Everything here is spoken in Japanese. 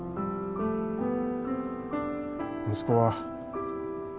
息子は。